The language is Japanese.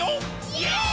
イエーイ！！